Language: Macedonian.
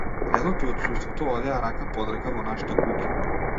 Редот и отсуството одеа рака под рака во нашата куќа.